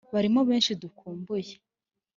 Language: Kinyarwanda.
Barimo benshi dukumbuye